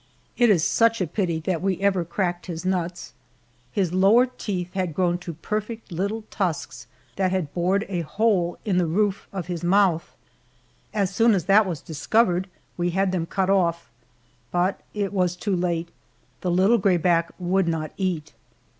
It is such a pity that we ever cracked his nuts. His lower teeth had grown to perfect little tusks that had bored a hole in the roof of his mouth. As soon as that was discovered, we had them cut off, but it was too late the little grayback would not eat.